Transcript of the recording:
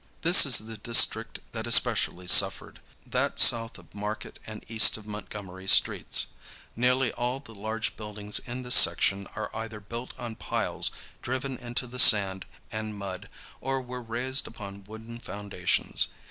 This is the district that especially suffered, that south of Market and east of Montgomery Streets. Nearly all the large buildings in this section are either built on piles driven into the sand and mud or were raised upon wooden foundations.